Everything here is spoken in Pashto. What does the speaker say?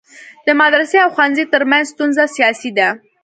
د مدرسي او ښوونځی ترمنځ ستونزه سیاسي ده.